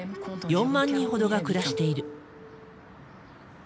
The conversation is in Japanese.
４万人ほどが暮らしている。